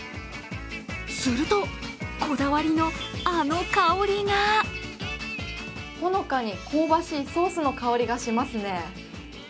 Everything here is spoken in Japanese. すると、こだわりの、あの香りがほのかに香ばしいソースの香りがしますね。